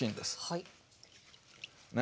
はい。